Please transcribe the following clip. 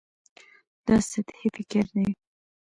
دا سطحي فکر دی.